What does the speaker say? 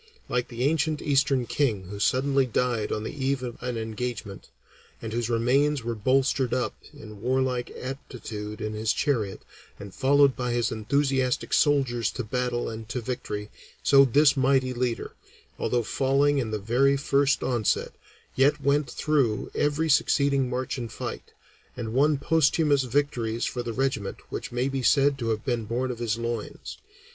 Like the ancient Eastern king who suddenly died on the eve of an engagement, and whose remains were bolstered up in warlike attitude in his chariot, and followed by his enthusiastic soldiers to battle and to victory, so this mighty leader, although falling in the very first onset, yet went on through every succeeding march and fight, and won posthumous victories for the regiment which may be said to have been born of his loins.